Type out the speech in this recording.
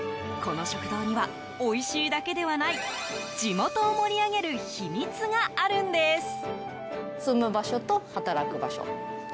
この食堂にはおいしいだけではない地元を盛り上げる秘密があるんです。